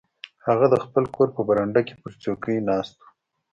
هغه د خپل کور په برنډه کې پر څوکۍ ناست و.